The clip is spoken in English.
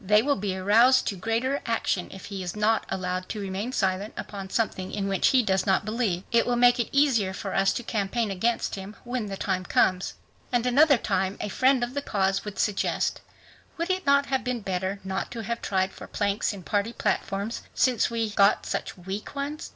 They will be aroused to greater action if he is not allowed to remain silent upon something in which he does not believe. It will make it easier for us to campaign against him when the time comes." And another time a friend of the cause would suggest, "Would it not have been better not to have tried for planks in party platforms, since we got such weak ones?"